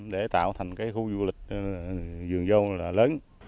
để tạo thành cái khu du lịch vườn dâu lớn